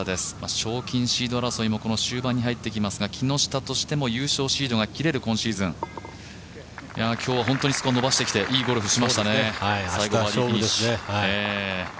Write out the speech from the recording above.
賞金シード争いもこの終盤に入ってきますが、木下としても優勝シードが切れる今シーズン今日は本当にスコアを伸ばしてきていいゴルフをしましたね。